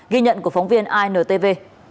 ghi nhận của phóng viên intv